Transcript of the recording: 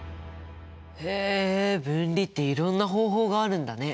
へえ分離っていろんな方法があるんだね。